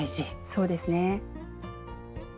そうですね。